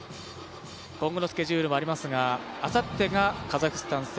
今後のスケジュールもありますがあさってがカザフスタン戦。